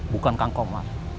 bukan kang komar